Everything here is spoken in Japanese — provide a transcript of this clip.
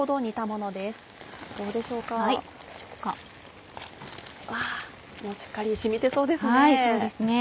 もうしっかり染みてそうですね。